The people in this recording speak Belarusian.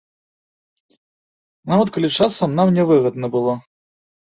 Нават калі часам нам нявыгадна было.